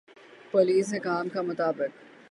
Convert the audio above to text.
police حکام کا مطابق